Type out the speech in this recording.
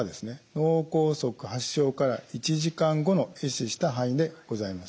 脳梗塞発症から１時間後のえ死した範囲でございます。